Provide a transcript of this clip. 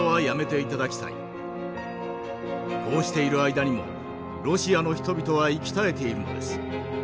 こうしている間にもロシアの人々は息絶えているのです。